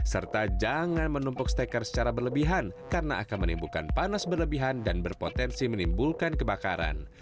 serta jangan menumpuk steker secara berlebihan karena akan menimbulkan panas berlebihan dan berpotensi menimbulkan kebakaran